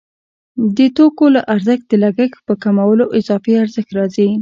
د توکو له ارزښت د لګښت په کمولو اضافي ارزښت راځي